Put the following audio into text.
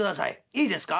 いいですか。